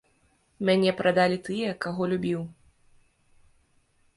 Мяне прадалі тыя, каго любіў.